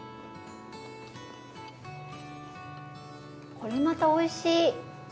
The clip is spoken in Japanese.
これまたおいしい！